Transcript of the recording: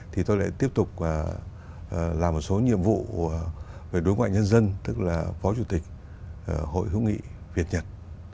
thì tôi lại tiếp tục làm một số nhiệm vụ về đối ngoại nhân dân tức là phó chủ tịch hội hữu nghị việt nhật